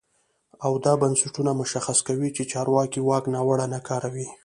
او دا بنسټونه مشخص کوي چې چارواکي واک ناوړه نه کاروي.